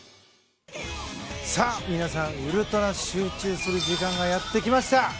皆さんウルトラ集中する時間がやってきました！